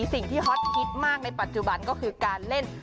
สิ่งที่ฮอจทิตย์มากในปัจจุบันก็คือการเล่น